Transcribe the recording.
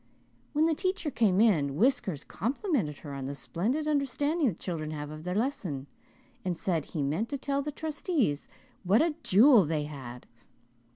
When the teacher came in, Whiskers complimented her on the splendid understanding the children had of their lesson and said he meant to tell the trustees what a jewel they had.